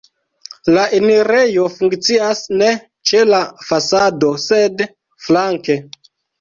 La enirejo funkcias ne ĉe la fasado, sed flanke.